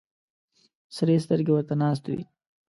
سرې سترګې ورته ناست وي.